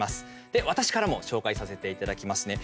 で、私からも紹介させていただきますね。